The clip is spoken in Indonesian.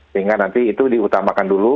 sehingga nanti itu diutamakan dulu